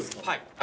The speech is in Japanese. はい。